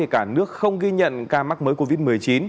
cả nước không ghi nhận ca mắc mới covid một mươi chín